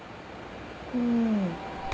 うん。